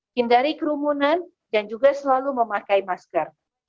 hindari kerumunan dan juga selalu memakai masker